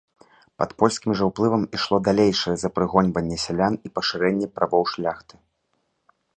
Пад польскім жа ўплывам ішло далейшае запрыгоньванне сялян і пашырэнне правоў шляхты.